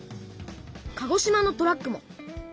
鹿児島のトラックも。